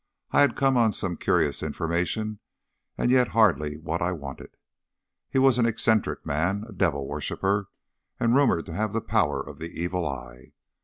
I had come on some curious information, and yet hardly what I wanted. He was an eccentric man, a devil worshipper, and rumoured to have the power of the evil eye.